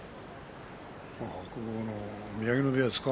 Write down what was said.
白鵬の宮城野部屋ですか。